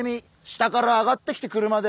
下から上がってきて車で。